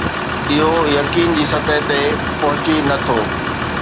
اهو يقين جي سطح تي پهچي نه ٿو